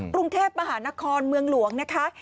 กรุงเทพมหานครเมืองหลวงนะคะ